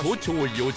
４時？